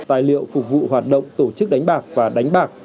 tài liệu phục vụ hoạt động tổ chức đánh bạc và đánh bạc